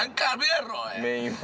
メインは。